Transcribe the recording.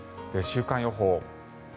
週間予報。